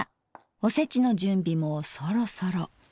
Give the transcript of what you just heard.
おせちの準備もそろそろ。